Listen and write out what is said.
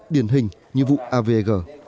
điển hình như vụ avg